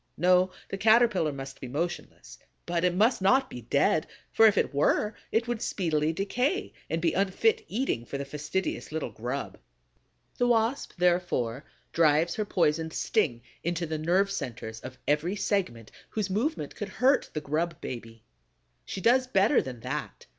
No, the Caterpillar must be motionless; but it must not be dead, for if it were, it would speedily decay and be unfit eating for the fastidious little grub. The Wasp, therefore, drives her poisoned sting into the nerve centers of every segment whose movement could hurt the grub baby. She does better than that.